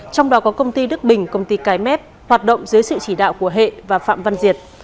trong đó có công ty đức bình công ty cái mép hoạt động dưới sự chỉ đạo của hệ và phạm văn diệt